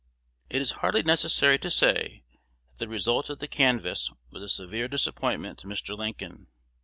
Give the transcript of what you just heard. It is hardly necessary to say, that the result of the canvass was a severe disappointment to Mr. Lincoln.